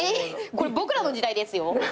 これ『ボクらの時代』ですよ？